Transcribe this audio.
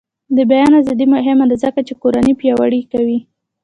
د بیان ازادي مهمه ده ځکه چې کورنۍ پیاوړې کوي.